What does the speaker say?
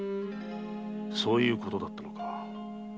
そういうことだったのか。